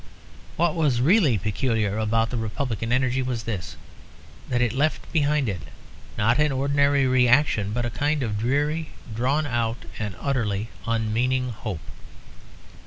What was really peculiar about the Republican energy was this, that it left behind it, not an ordinary reaction but a kind of dreary, drawn out and utterly unmeaning hope.